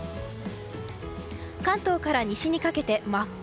関東から西にかけて真っ赤。